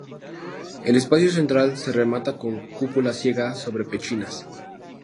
El espacio central se remata con cúpula ciega sobre pechinas.